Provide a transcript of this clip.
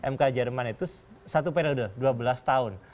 mk jerman itu satu periode dua belas tahun